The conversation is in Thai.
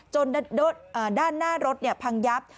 จนด้านหน้ารถเนี่ยพังยับ